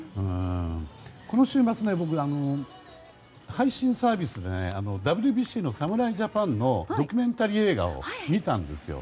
この週末、配信サービスでＷＢＣの侍ジャパンのドキュメンタリー映画を見たんですよ。